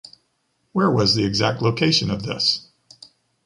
Where was the exact location of this?